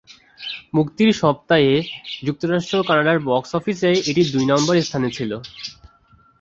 মুক্তির সপ্তাহে যুক্তরাষ্ট্র ও কানাডার বক্স অফিসে এটি দুই নম্বর স্থানে ছিল।